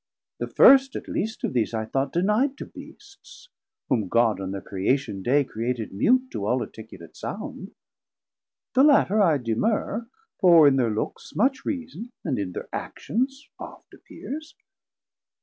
The first at lest of these I thought deni'd To Beasts, whom God on their Creation Day Created mute to all articulat sound; The latter I demurre, for in thir looks Much reason, and in thir actions oft appeers.